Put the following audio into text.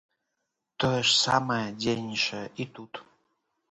Тое ж самае дзейнічае і тут.